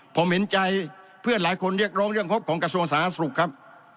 ผมเห็นใจเพื่อนหลายคนเรียกร้องเรื่องงบของกระทรวงสาธารณสุขครับ